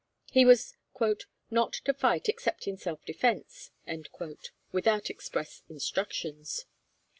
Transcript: He was 'not to fight, except in self defence,' without express instructions.